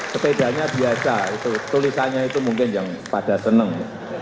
sepedanya biasa itu tulisannya itu mungkin yang pada seneng